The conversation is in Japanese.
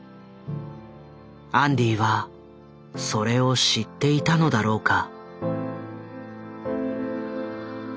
アンディはそれを知っていたのだろうか。